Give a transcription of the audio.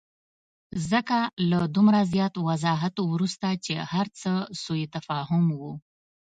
ځکه له دومره زیات وضاحت وروسته چې هرڅه سوءتفاهم وو.